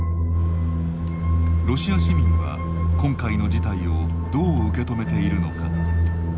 ロシア市民は今回の事態をどう受け止めているのか。